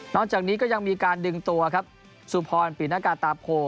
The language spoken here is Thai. จากนี้ก็ยังมีการดึงตัวครับสุพรปิณกาตาโพ